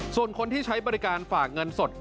ส่วนคนที่ใช้บริการฝากเงินสด